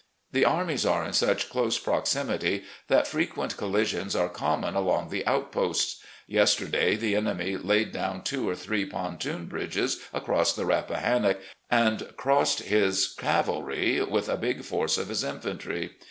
The armies are in such close proximity that frequent collisions are common along the outposts. Yesterday the enemy laid down two or three pontoon bridges across the Rappahannock and crossed his cavalry, with a big force of his infantry.